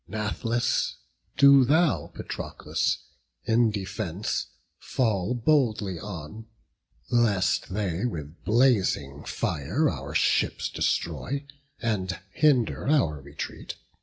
Nathless do thou, Patroclus, in defence Fall boldly on, lest they with blazing fire Our ships destroy, and hinder our retreat.